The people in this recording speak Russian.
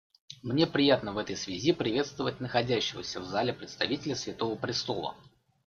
Мне приятно в этой связи приветствовать находящегося в зале представителя Святого Престола.